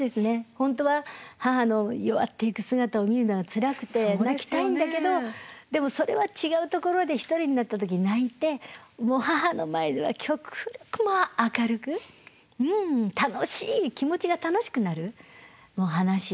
本当は母の弱っていく姿を見るのはつらくて泣きたいんだけどでもそれは違うところで一人になった時泣いてもう母の前では極力もう明るく楽しい気持ちが楽しくなる話を随分しましたね。